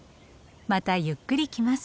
またゆっくり来ます。